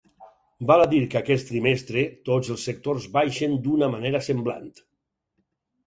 Val a dir que aquest trimestre tots els sectors baixen d’una manera semblant.